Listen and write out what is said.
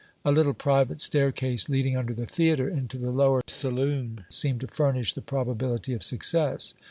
A little private staircase, leading under the theatre into the lower saloon, seemed to furnish the probability of success.